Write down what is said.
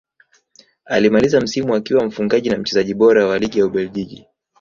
Alimaliza msimu akiwa mfungaji na mchezaji bora wa ligi ya ubelgiji